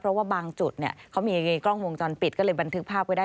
เพราะว่าบางจุดเนี่ยเขามีกล้องวงจรปิดก็เลยบันทึกภาพไว้ได้